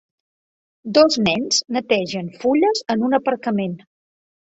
Dos nens netegen fulles en un aparcament